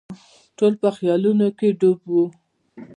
ټول په خیالونو کې ډوب وو.